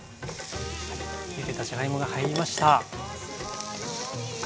ゆでたじゃがいもが入りました。